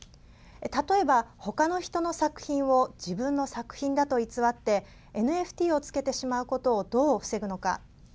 例えば、ほかの人の作品を自分の作品だと偽ってＮＦＴをつけてしまうことをどう防ぐのか。